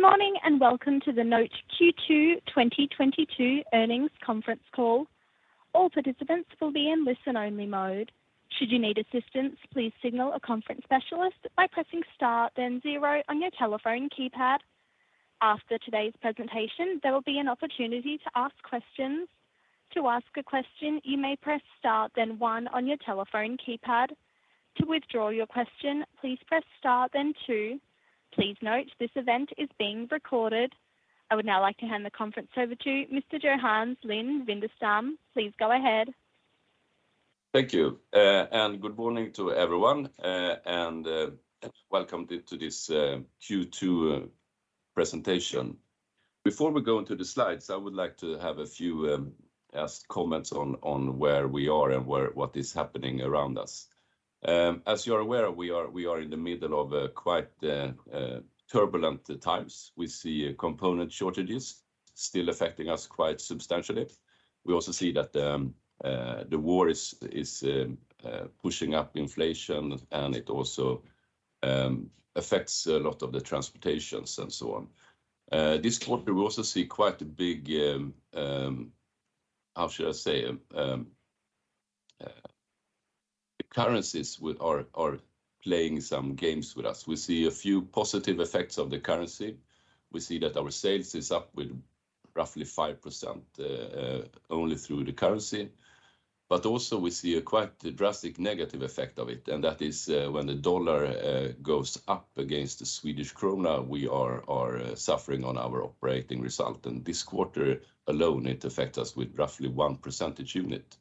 Good morning, and welcome to the NOTE Q2 2022 Earnings Conference Call. All participants will be in listen-only mode. Should you need assistance, please signal a conference specialist by pressing star then zero on your telephone keypad. After today's presentation, there will be an opportunity to ask questions. To ask a question, you may press star then one on your telephone keypad. To withdraw your question, please press star then two. Please note, this event is being recorded. I would now like to hand the conference over to Mr. Johannes Lind-Widestam. Please go ahead. Thank you, and good morning to everyone, and welcome to this Q2 presentation. Before we go into the slides, I would like to have a few last comments on where we are and what is happening around us. As you're aware, we are in the middle of quite turbulent times. We see component shortages still affecting us quite substantially. We also see that the war is pushing up inflation, and it also affects a lot of the transportation and so on. This quarter, we also see the currencies are playing some games with us. We see a few positive effects of the currency. We see that our sales is up with roughly 5% only through the currency. Also, we see a quite drastic negative effect of it, and that is, when the dollar goes up against the Swedish Krona, we are suffering on our operating result. This quarter alone, it affect us with roughly one percentage unit.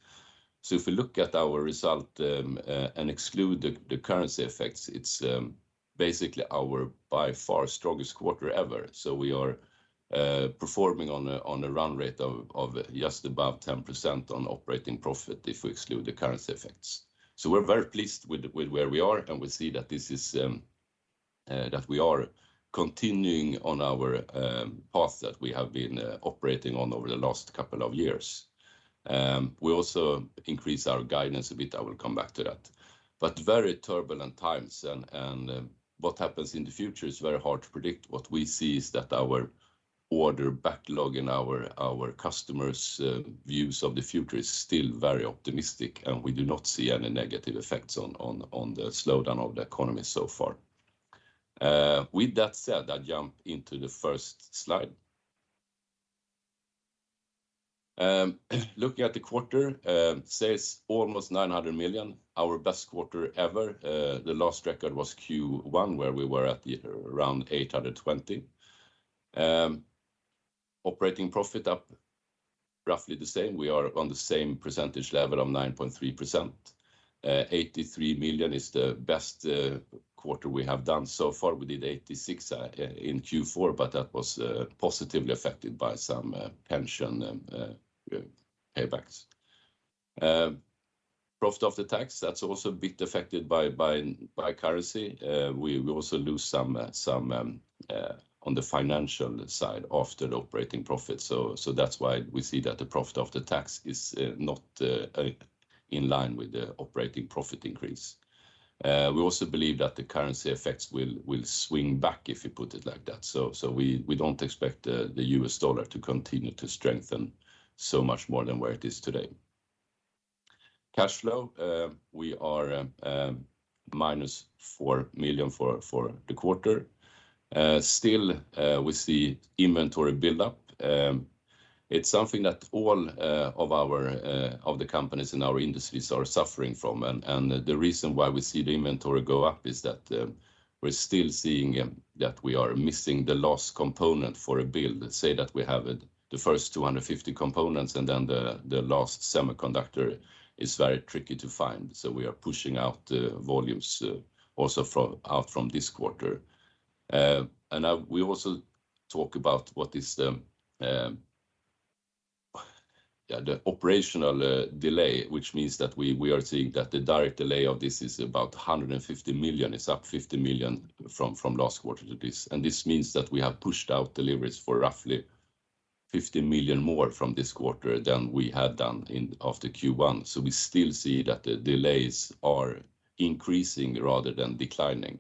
If you look at our result and exclude the currency effects, it's basically our by far strongest quarter ever. We are performing on a run rate of just above 10% on operating profit if we exclude the currency effects. We're very pleased with where we are, and we see that this is that we are continuing on our path that we have been operating on over the last couple of years. We also increase our guidance a bit. I will come back to that. Very turbulent times and what happens in the future is very hard to predict. What we see is that our order backlog and our customers' views of the future is still very optimistic, and we do not see any negative effects on the slowdown of the economy so far. With that said, I jump into the first slide. Looking at the quarter, sales almost 900 million, our best quarter ever. The last record was Q1, where we were at around 820. Operating profit up roughly the same. We are on the same percentage level of 9.3%. 83 million is the best quarter we have done so far. We did 86 in Q4, but that was positively affected by some pension and paybacks. Profit before tax, that's also a bit affected by currency. We also lose some on the financial side after operating profit. That's why we see that the profit before tax is not in line with the operating profit increase. We also believe that the currency effects will swing back, if you put it like that. We don't expect the U.S. dollar to continue to strengthen so much more than where it is today. Cash flow, we are minus 4 million for the quarter. Still, we see inventory build-up. It's something that all of the companies in our industries are suffering from. The reason why we see the inventory go up is that we're still seeing that we are missing the last component for a build. Say that we have the first 250 components, and then the last semiconductor is very tricky to find, so we are pushing out the volumes also from this quarter. Now we also talk about what is the operational delay, which means that we are seeing that the direct delay of this is about 150 million. It's up 50 million from last quarter to this, and this means that we have pushed out deliveries for roughly 50 million more from this quarter than we had done in, after Q1. We still see that the delays are increasing rather than declining.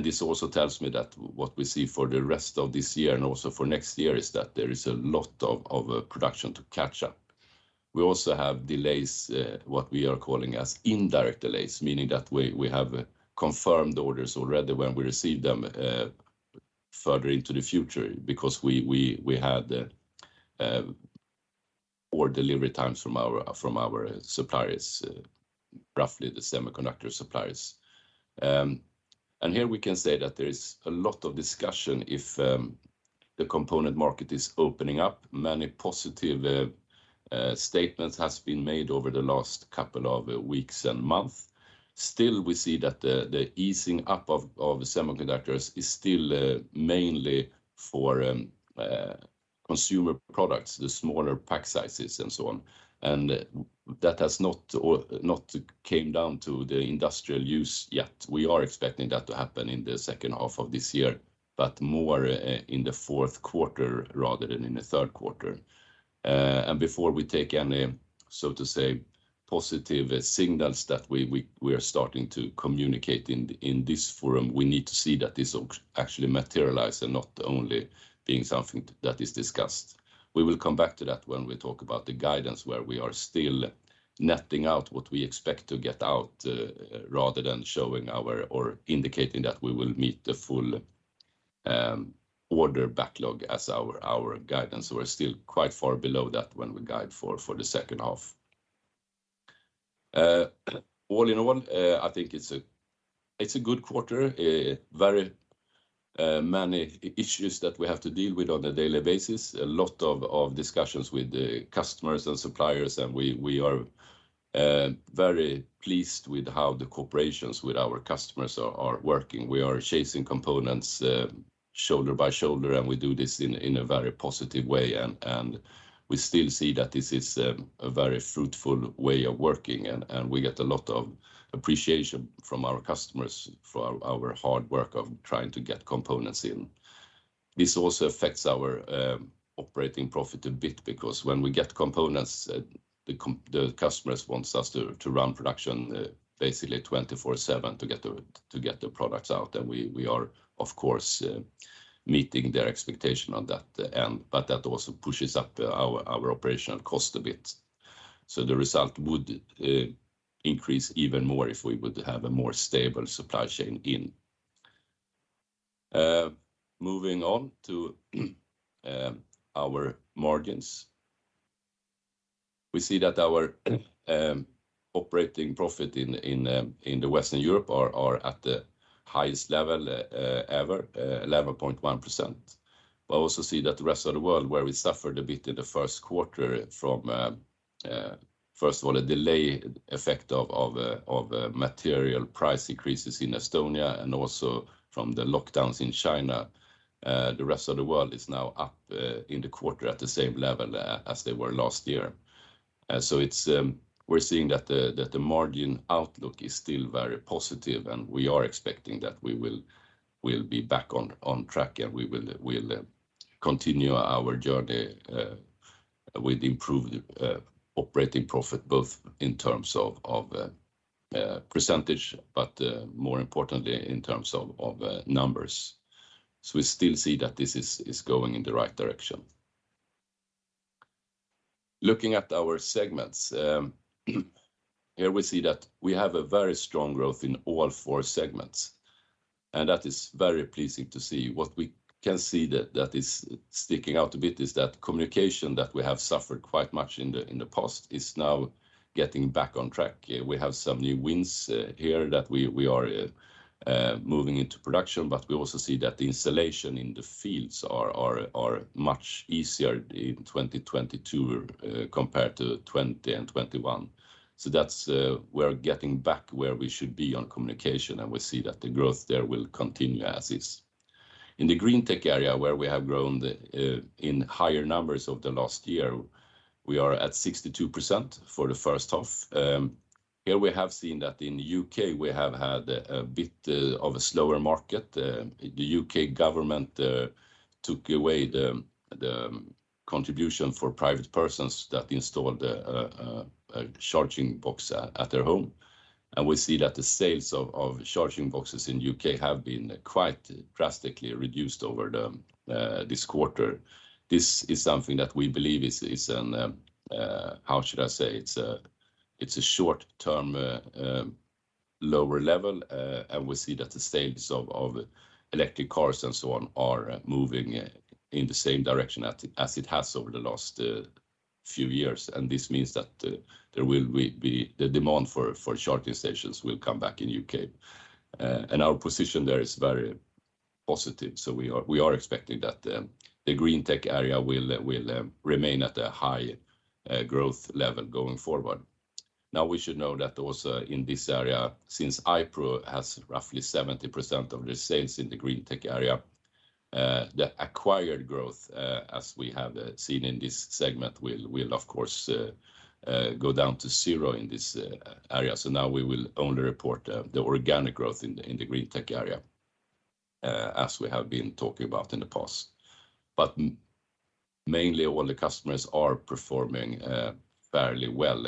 This also tells me that what we see for the rest of this year, and also for next year, is that there is a lot of production to catch up. We also have delays, what we are calling as indirect delays, meaning that we have confirmed orders already when we receive them, further into the future because we had poor delivery times from our suppliers, roughly the semiconductor suppliers. Here we can say that there is a lot of discussion if the component market is opening up. Many positive statements has been made over the last couple of weeks and months. Still, we see that the easing up of semiconductors is still mainly for consumer products, the smaller pack sizes and so on. That has not came down to the industrial use yet. We are expecting that to happen in the second half of this year, but more in the fourth quarter rather than in the third quarter. Before we take any, so to say, positive signals that we are starting to communicate in this forum, we need to see that this actually materialize and not only being something that is discussed. We will come back to that when we talk about the guidance, where we are still netting out what we expect to get out, rather than showing our or indicating that we will meet the full, order backlog as our guidance. We're still quite far below that when we guide for the second half. All in all, I think it's a good quarter, a very many issues that we have to deal with on a daily basis. A lot of discussions with the customers and suppliers, and we are very pleased with how the cooperations with our customers are working. We are chasing components, shoulder by shoulder, and we do this in a very positive way. We still see that this is a very fruitful way of working and we get a lot of appreciation from our customers for our hard work of trying to get components in. This also affects our operating profit a bit because when we get components, the customers want us to run production basically 24/7 to get the products out. We are of course meeting their expectation on that end, but that also pushes up our operational cost a bit. The result would increase even more if we would have a more stable supply chain in. Moving on to our margins, we see that our operating profit in Western Europe are at the highest level ever, 11.1%. Also see that the rest of the world where we suffered a bit in the first quarter from first of all a delay effect of material price increases in Estonia and also from the lockdowns in China. The rest of the world is now up in the quarter at the same level as they were last year. We're seeing that the margin outlook is still very positive, and we are expecting that we will be back on track, and we will continue our journey with improved operating profit, both in terms of percentage, but more importantly in terms of numbers. We still see that this is going in the right direction. Looking at our segments, here we see that we have a very strong growth in all four segments, and that is very pleasing to see. What we can see that is sticking out a bit is that communication that we have suffered quite much in the past is now getting back on track. We have some new wins here that we are moving into production, but we also see that the installation in the fields are much easier in 2022 compared to 2021. That's. We're getting back where we should be on communication, and we see that the growth there will continue as is. In the Greentech area where we have grown in higher numbers over the last year, we are at 62% for the first half. Here we have seen that in the U.K. we have had a bit of a slower market. The U.K. government took away the contribution for private persons that installed a charging box at their home. We see that the sales of charging boxes in U.K. have been quite drastically reduced over this quarter. This is something that we believe is an how should I say? It's a short term lower level. We see that the sales of electric cars and so on are moving in the same direction as it has over the last few years. This means that there will be the demand for charging stations will come back in U.K. Our position there is very positive. We are expecting that the Greentech area will remain at a high growth level going forward. We should know that also in this area, since Dynamic has roughly 70% of the sales in the Greentech area, the acquired growth as we have seen in this segment will of course go down to zero in this area. Now we will only report the organic growth in the Greentech area as we have been talking about in the past. Mainly all the customers are performing fairly well.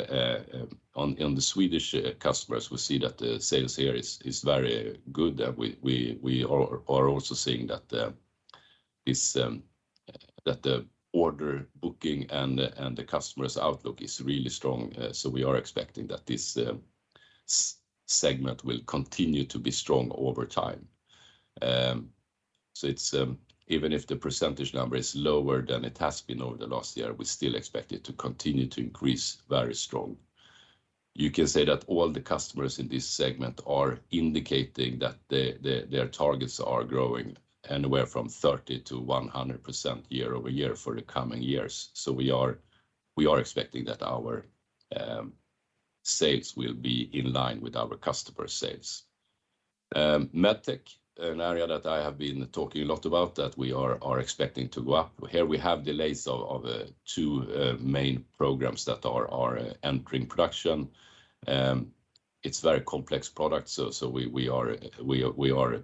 In the Swedish customers, we see that the sales here is very good, and we are also seeing that this that the order booking and the customer's outlook is really strong. We are expecting that this segment will continue to be strong over time. It's even if the percentage number is lower than it has been over the last year, we still expect it to continue to increase very strong. You can say that all the customers in this segment are indicating that their targets are growing anywhere from 30%-100% year-over-year for the coming years. We are expecting that our sales will be in line with our customer sales. Medtech, an area that I have been talking a lot about that we are expecting to go up. Here we have delays of two main programs that are entering production. It's very complex product, so we are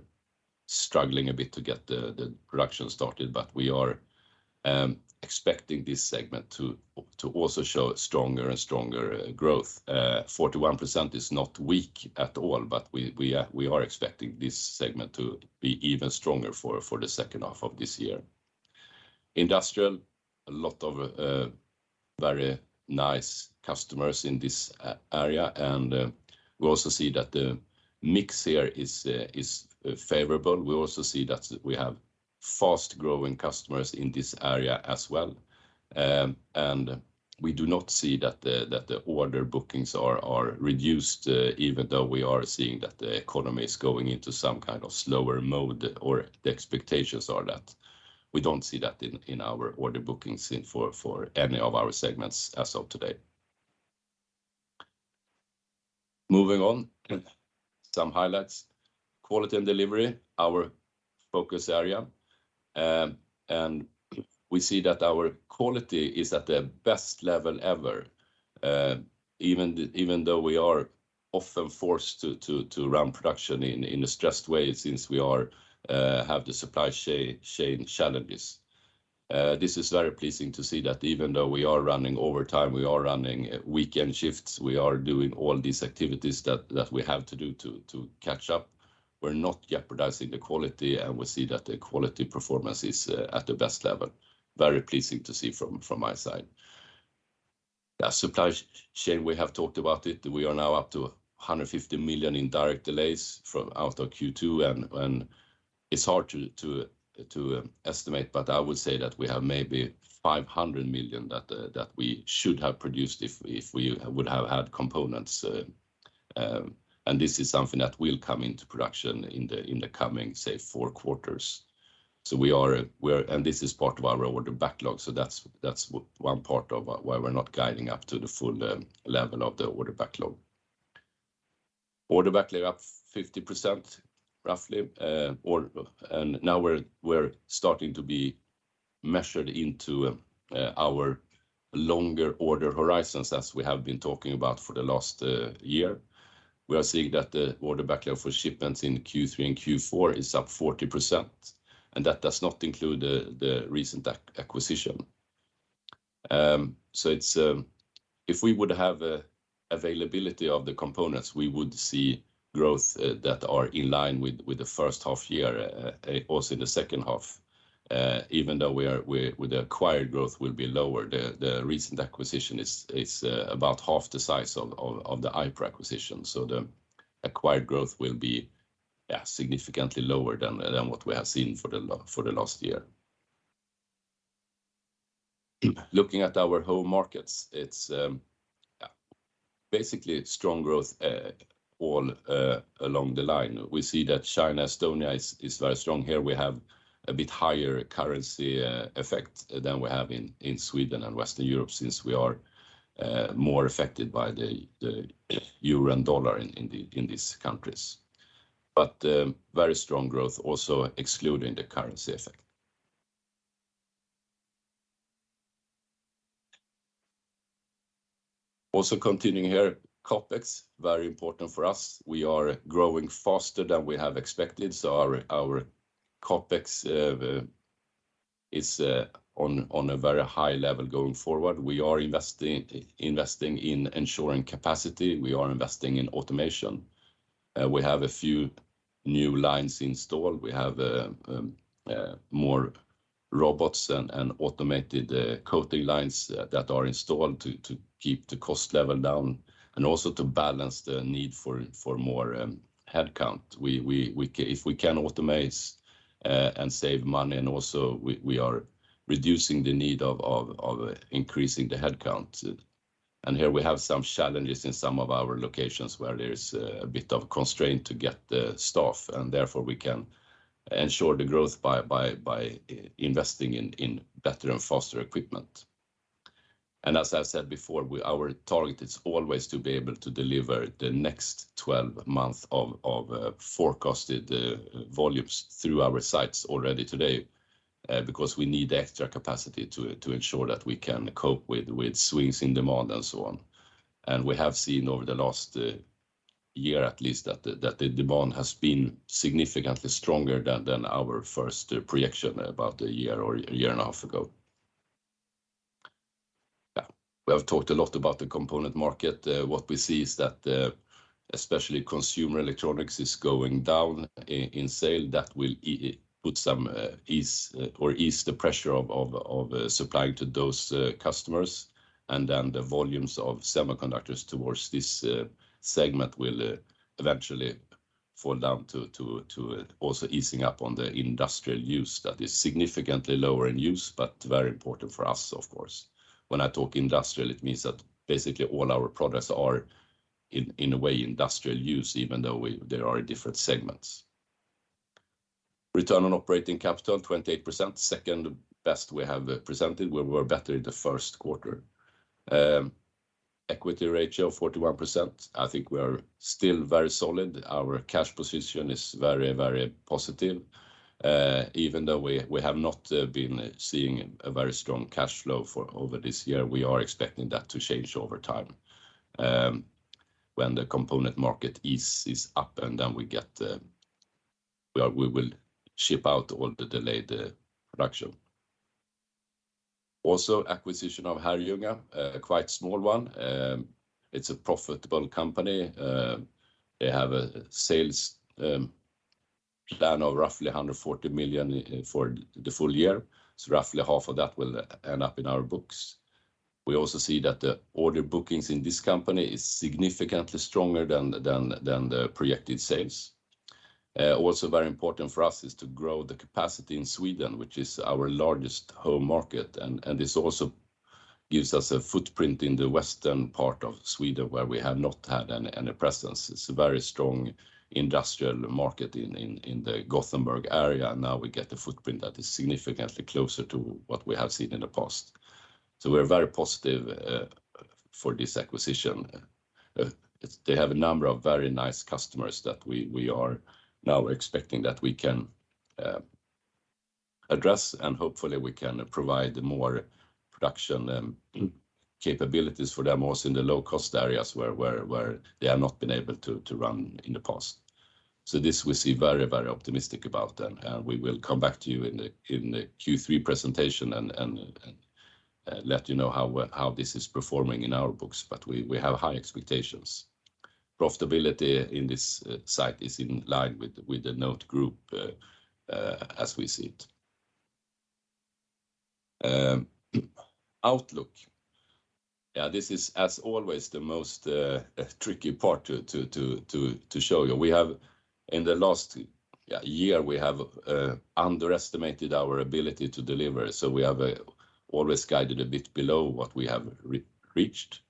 struggling a bit to get the production started, but we are expecting this segment to also show stronger and stronger growth. 41% is not weak at all, but we are expecting this segment to be even stronger for the second half of this year. Industrial, a lot of very nice customers in this area, and we also see that the mix here is favorable. We also see that we have fast growing customers in this area as well. We do not see that the order bookings are reduced, even though we are seeing that the economy is going into some kind of slower mode or the expectations are that. We don't see that in our order bookings for any of our segments as of today. Moving on, some highlights. Quality and Delivery, our focus area. We see that our quality is at the best level ever, even though we are often forced to run production in a stressed way since we have the supply chain challenges. This is very pleasing to see that even though we are running overtime, we are running weekend shifts, we are doing all these activities that we have to do to catch up. We're not jeopardizing the quality, and we see that the quality performance is at the best level. Very pleasing to see from my side. The supply chain, we have talked about it. We are now up to 150 million in direct delays from out of Q2. It's hard to estimate, but I would say that we have maybe 500 million that we should have produced if we would have had components. This is something that will come into production in the coming, say, four quarters. This is part of our order backlog. That's one part of why we're not guiding up to the full level of the order backlog. Order backlog up 50%, roughly. Now we're starting to be measured into our longer order horizons as we have been talking about for the last year. We are seeing that the order backlog for shipments in Q3 and Q4 is up 40%, and that does not include the recent acquisition. If we would have a availability of the components, we would see growth that are in line with the first half year also in the second half. Even though we are with the acquired growth will be lower, the recent acquisition is about half the size of the IPO acquisition. The acquired growth will be significantly lower than what we have seen for the last year. Looking at our home markets, it's basically strong growth all along the line. We see that China, Estonia is very strong here. We have a bit higher currency effect than we have in Sweden and Western Europe, since we are more affected by the Euro and dollar in these countries. Very strong growth also excluding the currency effect. Also continuing here, CapEx, very important for us. We are growing faster than we have expected, so our CapEx is on a very high level going forward. We are investing in ensuring capacity. We are investing in automation. We have a few new lines installed. We have more robots and automated coating lines that are installed to keep the cost level down and also to balance the need for more headcount. If we can automate and save money and also we are reducing the need of increasing the headcount. Here we have some challenges in some of our locations where there is a bit of constraint to get the staff, and therefore we can ensure the growth by investing in better and faster equipment. As I said before, our target is always to be able to deliver the next 12 months of forecasted volumes through our sites already today, because we need the extra capacity to ensure that we can cope with swings in demand and so on. We have seen over the last year at least that the demand has been significantly stronger than our first projection about a year or a year and a half ago. Yeah. We have talked a lot about the component market. What we see is that especially consumer electronics is going down in sales. That will put some ease or ease the pressure of supplying to those customers. The volumes of semiconductors towards this segment will eventually fall down to also easing up on the industrial use that is significantly lower in use, but very important for us, of course. When I talk industrial, it means that basically all our products are in a way industrial use, even though there are different segments. Return on operating capital, 28%. Second best we have presented. We were better in the first quarter. Equity ratio, 41%. I think we are still very solid. Our cash position is very, very positive. Even though we have not been seeing a very strong cash flow for over this year, we are expecting that to change over time. When the component market is up and then we will ship out all the delayed production. Also acquisition of Herrljunga, a quite small one. It's a profitable company. They have a sales plan of roughly 140 million for the full year. Roughly half of that will end up in our books. We also see that the order bookings in this company is significantly stronger than the projected sales. Also very important for us is to grow the capacity in Sweden, which is our largest home market. This also gives us a footprint in the western part of Sweden where we have not had any presence. It's a very strong industrial market in the Gothenburg area, and now we get the footprint that is significantly closer to what we have seen in the past. We're very positive for this acquisition. They have a number of very nice customers that we are now expecting that we can address and hopefully we can provide more production capabilities for them, most in the low cost areas where they have not been able to run in the past. This we see very optimistic about and we will come back to you in the Q3 presentation and let you know how this is performing in our books. We have high expectations. Profitability in this site is in line with the NOTE Group as we see it. Outlook. Yeah, this is as always the most tricky part to show you. We have in the last year underestimated our ability to deliver, so we have always guided a bit below what we have reached.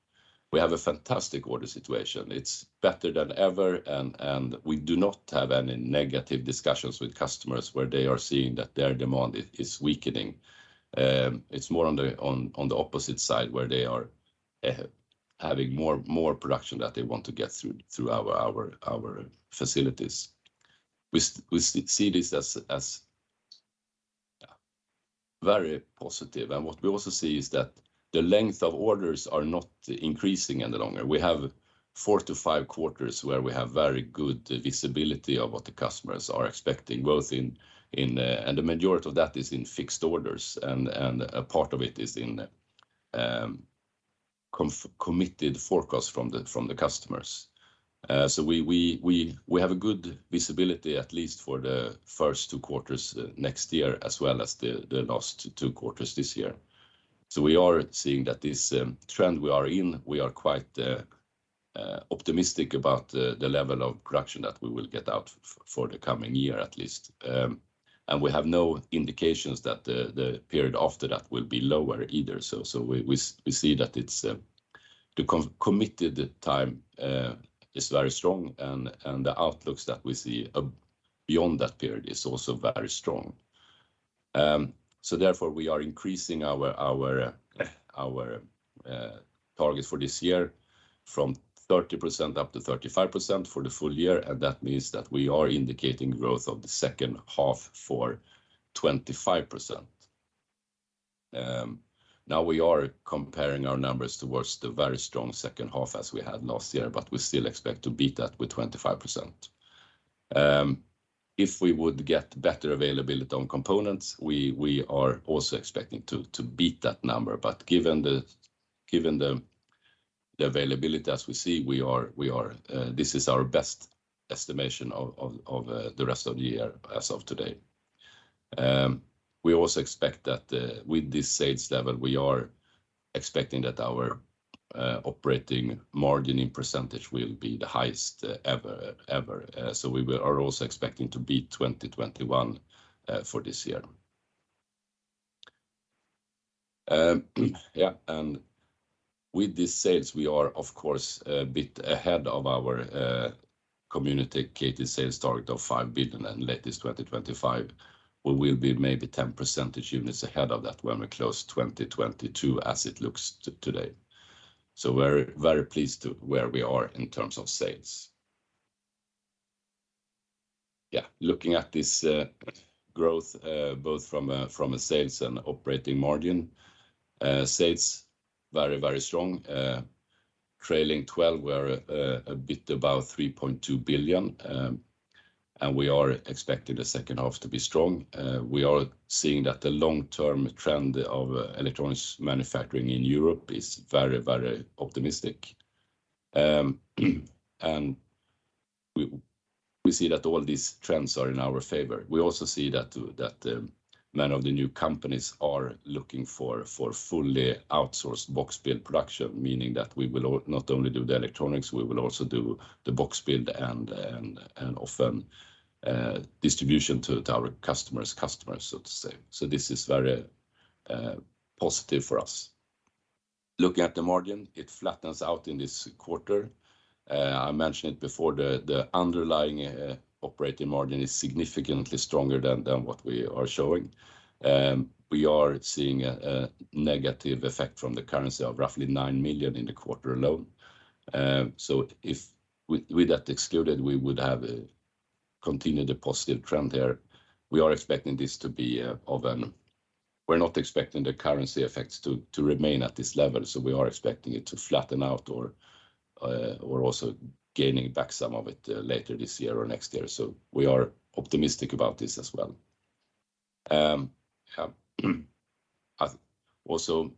We have a fantastic order situation. It's better than ever and we do not have any negative discussions with customers where they are seeing that their demand is weakening. It's more on the opposite side where they are having more production that they want to get through our facilities. We see this as, yeah, very positive. What we also see is that the length of orders are not increasing any longer. We have four to five quarters where we have very good visibility of what the customers are expecting, both in. The majority of that is in fixed orders and a part of it is in committed forecast from the customers. We have a good visibility at least for the first two quarters next year as well as the last two quarters this year. We are seeing that this trend we are in, we are quite optimistic about the level of production that we will get out for the coming year at least. We have no indications that the period after that will be lower either. We see that it's the committed time is very strong and the outlooks that we see beyond that period is also very strong. Therefore we are increasing our target for this year from 30% up to 35% for the full year, and that means that we are indicating growth of the second half for 25%. Now we are comparing our numbers towards the very strong second half as we had last year, but we still expect to beat that with 25%. If we would get better availability on components, we are also expecting to beat that number. But given the availability as we see, this is our best estimation of the rest of the year as of today. We also expect that with this sales level, we are expecting that our operating margin in percentage will be the highest ever. We are also expecting to beat 2021 for this year. Yeah, and with these sales, we are of course a bit ahead of our communicated sales target of 5 billion by 2025. We will be maybe 10 percentage points ahead of that when we close 2022 as it looks today. We're very pleased with where we are in terms of sales. Yeah, looking at this growth, both from a sales and operating margin. Sales very, very strong. Trailing Twelve we're a bit above 3.2 billion, and we are expecting the second half to be strong. We are seeing that the long-term trend of electronics manufacturing in Europe is very, very optimistic. We see that all these trends are in our favor. We also see that many of the new companies are looking for fully outsourced box build production, meaning that we will not only do the electronics, we will also do the box build and often distribution to our customers, so to say. This is very positive for us. Looking at the margin, it flattens out in this quarter. I mentioned it before, the underlying operating margin is significantly stronger than what we are showing. We are seeing a negative effect from the currency of roughly 9 million in the quarter alone. With that excluded, we would have continued the positive trend here. We are expecting this to be. We're not expecting the currency effects to remain at this level, so we are expecting it to flatten out or also gaining back some of it later this year or next year. We are optimistic about this as well. Also,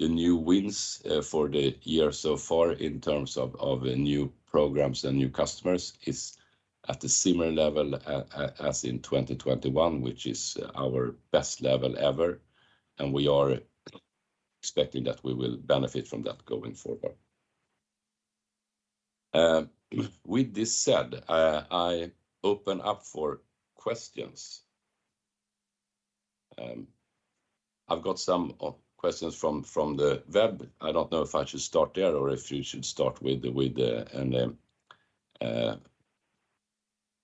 the new wins for the year so far in terms of new programs and new customers is at a similar level as in 2021, which is our best level ever, and we are expecting that we will benefit from that going forward. With this said, I open up for questions. I've got some questions from the web. I don't know if I should start there or if you should start with the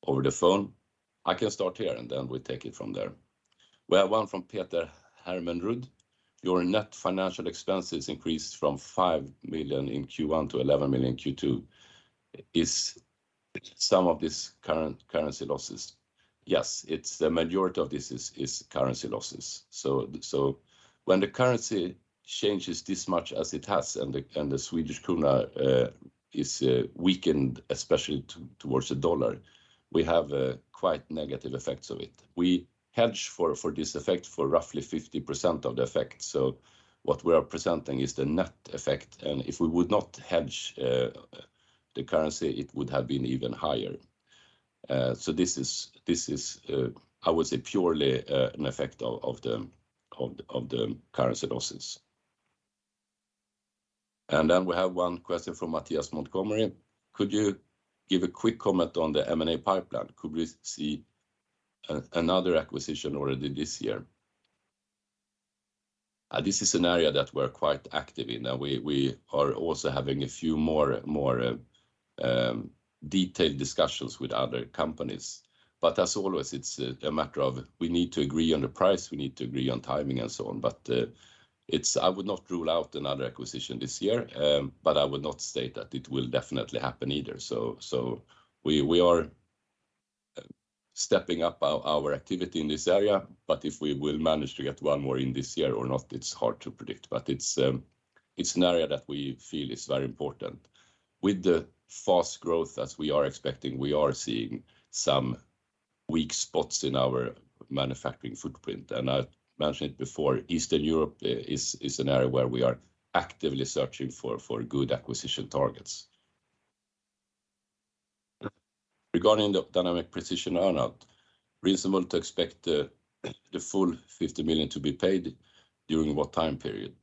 over the phone. I can start here, and then we take it from there. We have one from Petter Hermansson. Your net financial expenses increased from 5 million in Q1 to 11 million in Q2. Is some of this current currency losses? Yes. It's the majority of this is currency losses. So when the currency changes this much as it has, and the Swedish krona is weakened, especially towards the dollar, we have quite negative effects of it. We hedge for this effect for roughly 50% of the effect. So what we are presenting is the net effect. If we would not hedge the currency, it would have been even higher. So this is, I would say, purely an effect of the currency losses. We have one question from Mattias Montan: Could you give a quick comment on the M&A pipeline? Could we see another acquisition already this year? This is an area that we're quite active in. We are also having a few more detailed discussions with other companies. As always, it's a matter of we need to agree on the price, we need to agree on timing, and so on. I would not rule out another acquisition this year, but I would not state that it will definitely happen either. We are stepping up our activity in this area, but if we will manage to get one more in this year or not, it's hard to predict. It's an area that we feel is very important. With the fast growth as we are expecting, we are seeing some weak spots in our manufacturing footprint. I mentioned before, Eastern Europe is an area where we are actively searching for good acquisition targets. Regarding the Dynamic Precision earn-out, reasonable to expect the full 50 million to be paid during what time period?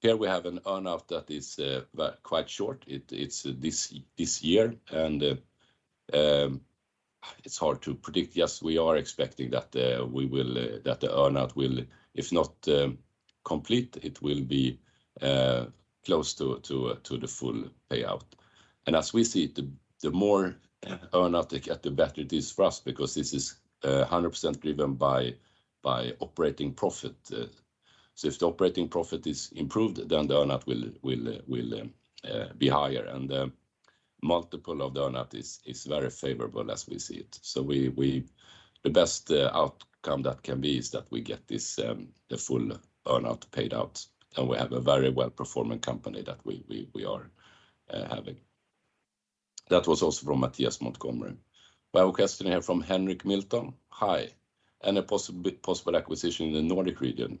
Here we have an earn-out that is quite short. It's this year and it's hard to predict. Yes, we are expecting that the earn-out will, if not complete, it will be close to the full payout. As we see, the more earn-out they get, the better it is for us because this is 100% driven by operating profit. If the operating profit is improved, then the earn-out will be higher and multiple of the earn-out is very favorable as we see it. The best outcome that can be is that we get this the full earn-out paid out, and we have a very well-performing company that we are having. That was also from Mattias Montan. We have a question here from Henrik Mielke. Hi. Any possible acquisition in the Nordic region,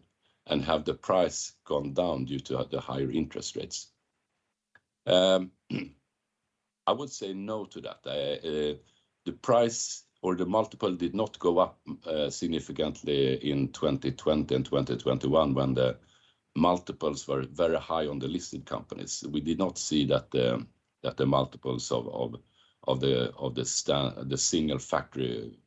and have the price gone down due to the higher interest rates? I would say no to that. The price or the multiple did not go up significantly in 2020 and 2021 when the multiples were very high on the listed companies. We did not see that the multiples of the single factory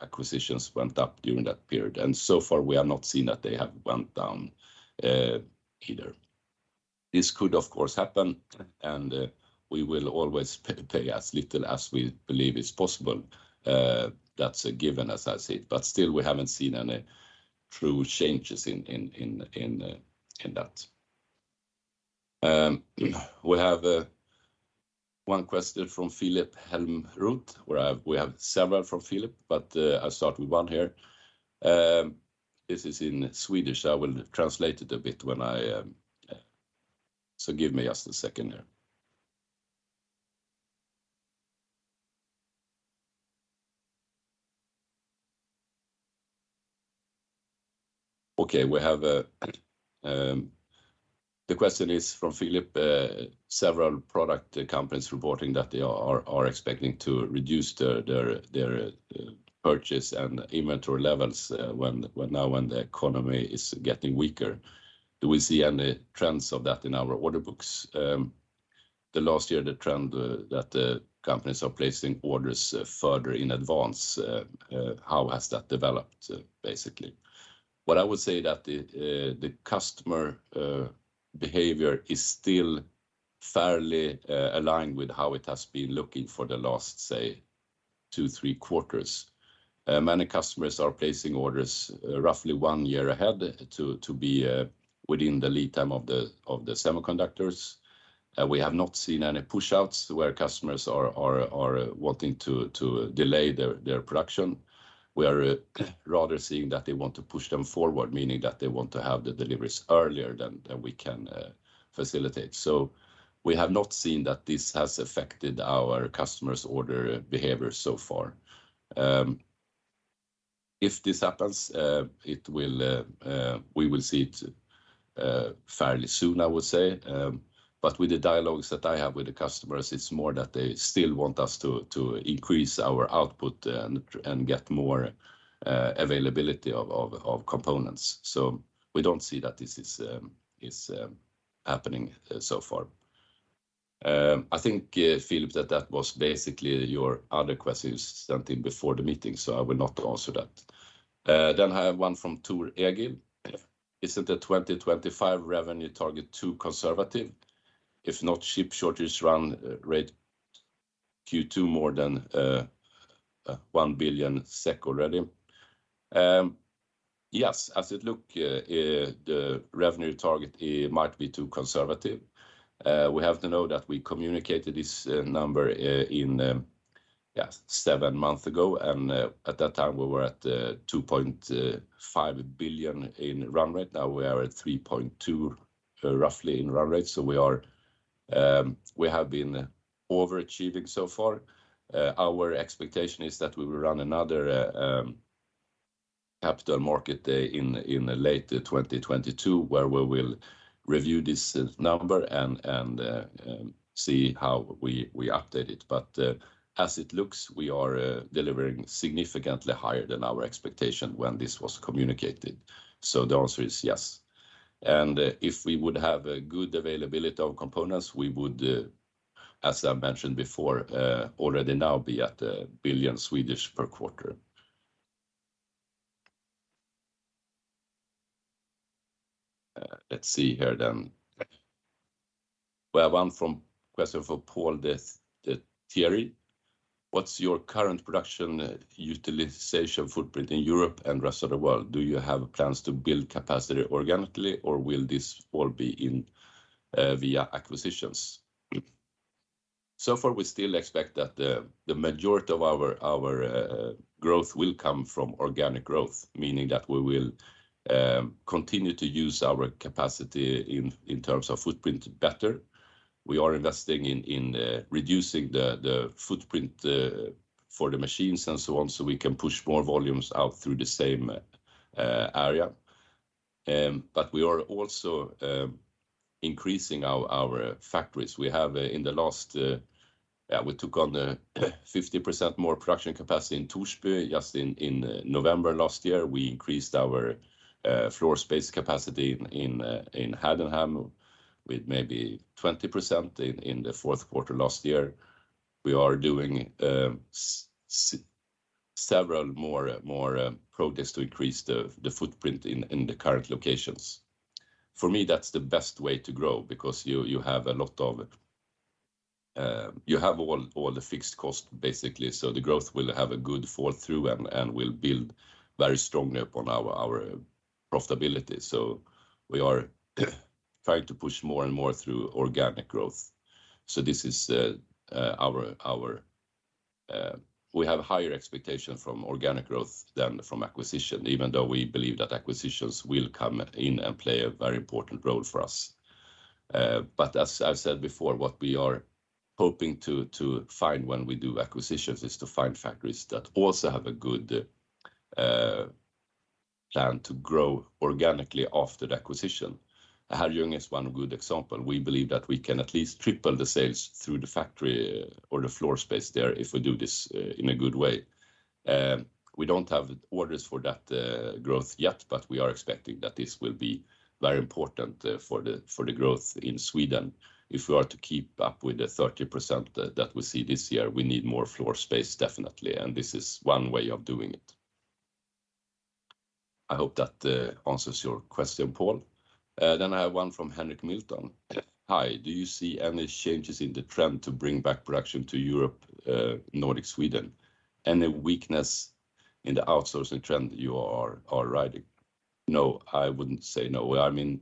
acquisitions went up during that period, and so far, we have not seen that they have went down, either. This could, of course, happen, and we will always pay as little as we believe is possible. That's a given as I see it, but still we haven't seen any true changes in that. We have one question from Filip Helmroth. We have several from Filip, but I'll start with one here. This is in Swedish. I will translate it a bit when I. Give me just a second here. Okay, we have. The question is from Filip. Several product companies reporting that they are expecting to reduce their purchase and inventory levels now when the economy is getting weaker. Do we see any trends of that in our order books? The last year, the trend that companies are placing orders further in advance, how has that developed, basically? What I would say is that the customer behavior is still fairly aligned with how it has been looking for the last, say, two, three quarters. Many customers are placing orders roughly one year ahead to be within the lead time of the semiconductors. We have not seen any push-outs where customers are wanting to delay their production. We are rather seeing that they want to push them forward, meaning that they want to have the deliveries earlier than we can facilitate. We have not seen that this has affected our customers' order behavior so far. If this happens, we will see it fairly soon, I would say. With the dialogues that I have with the customers, it's more that they still want us to increase our output and get more availability of components. We don't see that this is happening so far. I think, Filip, that was basically your other questions sent in before the meeting, so I will not answer that. I have one from Ture Ågild. "Isn't the 2025 revenue target too conservative? If not, chip shortage run rate Q2 more than 1 billion SEK already. Yes. As it looks, the revenue target, it might be too conservative. We have to note that we communicated this number seven months ago, and at that time we were at 2.5 billion in run rate. Now we are at 3.2 billion roughly in run rate. We are, we have been overachieving so far. Our expectation is that we will run another Capital Markets Day in late 2022, where we will review this number and see how we update it. As it looks, we are delivering significantly higher than our expectation when this was communicated. The answer is yes. If we would have a good availability of components, we would, as I mentioned before, already now be at 1 billion per quarter. Let's see here. We have one from Paul Saers. "What's your current production utilization footprint in Europe and rest of the world? Do you have plans to build capacity organically, or will this all be via acquisitions?" So far, we still expect that, the majority of our growth will come from organic growth, meaning that we will continue to use our capacity in terms of footprint better. We are investing in reducing the footprint for the machines and so on, so we can push more volumes out through the same area. But we are also increasing our factories. We took on 50% more production capacity in Torsby just in November last year. We increased our floor space capacity in Haddenham with maybe 20% in the fourth quarter last year. We are doing several more projects to increase the footprint in the current locations. For me, that's the best way to grow because you have a lot of. You have all the fixed cost basically, so the growth will have a good flow-through and will build very strongly upon our profitability. We are trying to push more and more through organic growth. We have higher expectation from organic growth than from acquisition, even though we believe that acquisitions will come in and play a very important role for us. As I've said before, what we are hoping to find when we do acquisitions is to find factories that also have a good plan to grow organically after the acquisition. Herrljunga is one good example. We believe that we can at least triple the sales through the factory or the floor space there if we do this in a good way. We don't have orders for that growth yet, but we are expecting that this will be very important for the growth in Sweden. If we are to keep up with the 30%, that we see this year, we need more floor space, definitely, and this is one way of doing it. I hope that answers your question, Paul. I have one from Henrik Mielke. "Hi. Do you see any changes in the trend to bring back production to Europe, Nordic, Sweden? Any weakness in the outsourcing trend you are riding?" No, I wouldn't say no. I'm in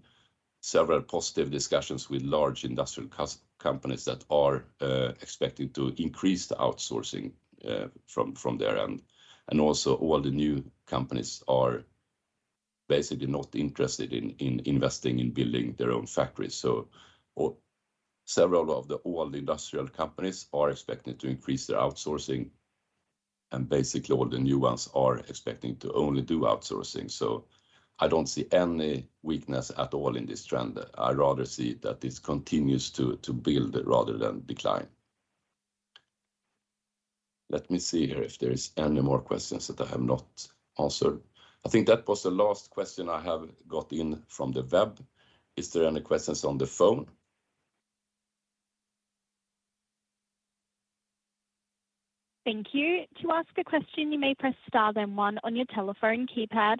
several positive discussions with large industrial companies that are expecting to increase the outsourcing from their end. Also all the new companies are basically not interested in investing in building their own factories. Several of the old industrial companies are expecting to increase their outsourcing, and basically all the new ones are expecting to only do outsourcing. I don't see any weakness at all in this trend. I rather see that this continues to build rather than decline. Let me see here if there is any more questions that I have not answered. I think that was the last question I have got in from the web. Is there any questions on the phone? Thank you. To ask a question, you may press star then one on your telephone keypad.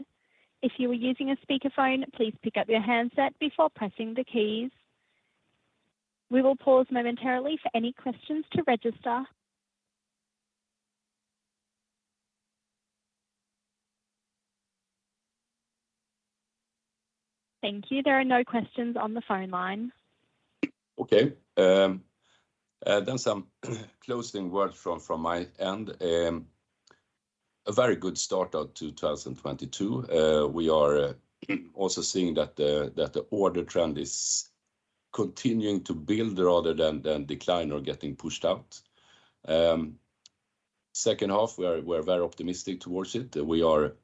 If you are using a speakerphone, please pick up your handset before pressing the keys. We will pause momentarily for any questions to register. Thank you. There are no questions on the phone line. Okay. Some closing words from my end. A very good start of 2022. We are also seeing that the order trend is continuing to build rather than decline or getting pushed out. Second half, we're very optimistic towards it. We are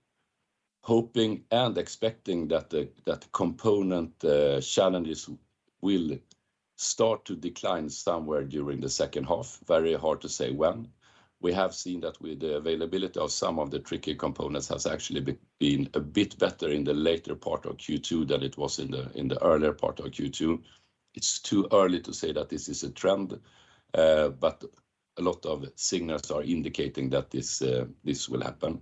hoping and expecting that the component challenges will start to decline somewhere during the second half. Very hard to say when. We have seen that with the availability of some of the tricky components has actually been a bit better in the later part of Q2 than it was in the earlier part of Q2. It's too early to say that this is a trend, but a lot of signals are indicating that this will happen.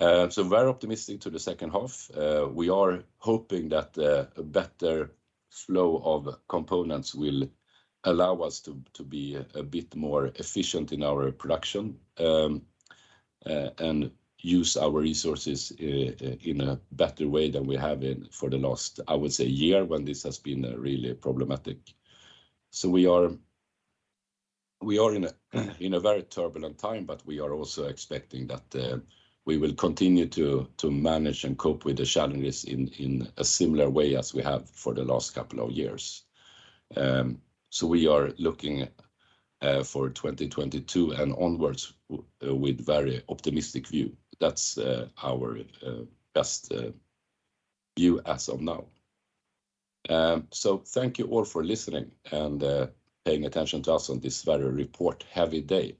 Very optimistic to the second half. We are hoping that a better flow of components will allow us to be a bit more efficient in our production, and use our resources in a better way than we have been for the last, I would say, year, when this has been really problematic. We are in a very turbulent time, but we are also expecting that we will continue to manage and cope with the challenges in a similar way as we have for the last couple of years. We are looking for 2022 and onwards with very optimistic view. That's our best view as of now. Thank you all for listening and paying attention to us on this very report-heavy day.